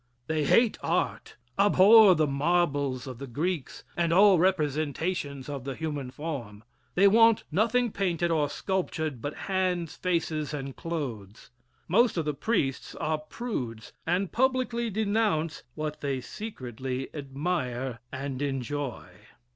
They hate art abhor the marbles of the Greeks, and all representations of the human form. They want nothing painted or sculptured but hands, faces and clothes. Most of the priests are prudes, and publicly denounce what they secretly admire and enjoy.